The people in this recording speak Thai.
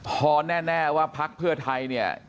พอแน่ว่าพักเพื่อไทยเนี่ย